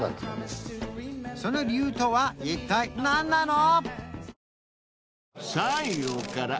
その理由とは一体何なの？